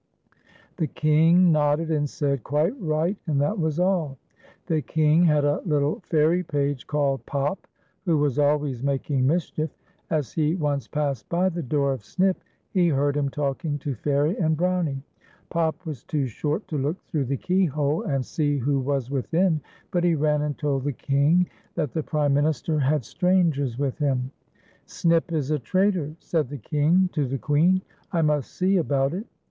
The King nodded, and said, " Quite right," and that was all. The King had a little fairy page called Pop, wlio was 176 FA HUE AND BROWNIE. always making mischief. As he once passed by the door of Snip he heard him talking to Fairy and Brownie. Pop was too short to look through the ke}' hole and see who was within, but he ran and told the King that the prime minister had strangers with him. " Snip is a traitor," said the King to the Queen, " I must see about it."